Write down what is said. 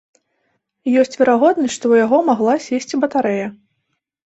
Ёсць верагоднасць, што ў яго магла сесці батарэя.